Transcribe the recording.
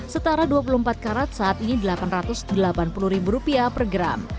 setara dua puluh empat karat saat ini rp delapan ratus delapan puluh per gram